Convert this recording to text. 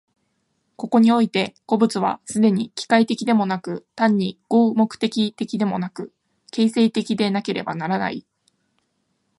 ここにおいて個物は既に機械的でもなく、単に合目的的でもなく、形成的でなければならない。